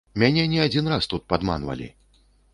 Мяне не адзін раз тут падманвалі.